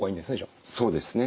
そうですね。